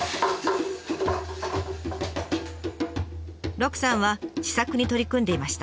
鹿さんは試作に取り組んでいました。